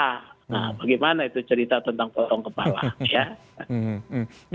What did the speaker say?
nah bagaimana itu cerita tentang potong kepala ya